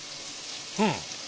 うん。